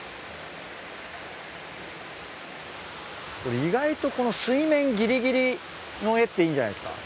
これ意外とこの水面ぎりぎりの絵っていいんじゃないですか？